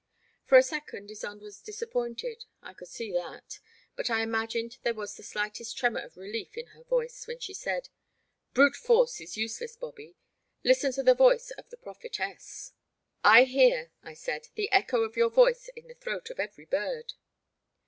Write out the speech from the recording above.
For a second Ysonde was disappointed, I could see that, but I imagined there was the slightest tremour of relief in her voice when she said :Brute force is useless, Bobby; listen to the voice of the Prophetess.*' I hear,*' I said, the echo of your voice in the throat of every bird.'